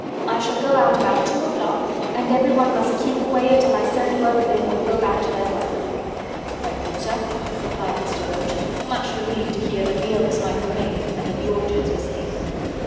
I shall go out about two o'clock and everyone must keep away until I send word that they may go back to their work." "Very good, sir," replied Mr. Roach, much relieved to hear that the oaks might remain and that the orchards were safe.